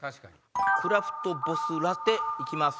クラフトボスラテ行きます。